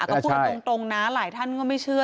ก็พูดกันตรงนะหลายท่านก็ไม่เชื่อ